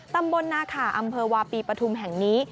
ตำบลนาขาอำเภอวาปีปฐุมแห่งนี้